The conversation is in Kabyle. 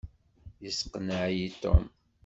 Yesseqneɛ-iyi Tom.